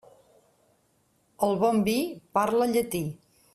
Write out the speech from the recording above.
El bon vi parla llatí.